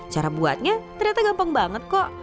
cara buatnya ternyata gampang banget kok